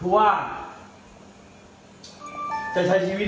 ว่า